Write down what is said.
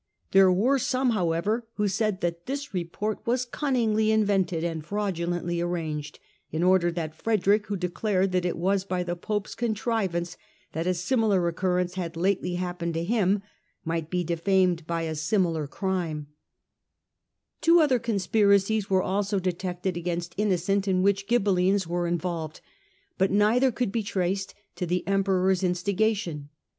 " There were some, however, who said that this report was cunningly invented and fraudulently arranged, in order that Frederick, who declared that it was by the Pope's contrivance that a similar occurrence had lately happened to him, might be defamed by a similar crime." * 1 Matthew Paris. THE DEPOSED EMPEROR 251 Two other conspiracies were also detected against Inno cent in which Ghibellines were involved, but neither could be traced to the Emperor's instigation.